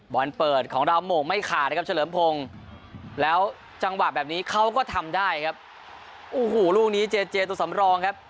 วันเปิดของเราโหมงไม่ขาดนะครับเฉลิมพงศ์แล้วจังหวะแบบนี้เขาก็ทำได้ครับ